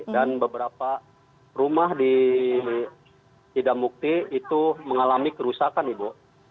dan beberapa rumah di sidamukti itu mengalami kerusakan ibu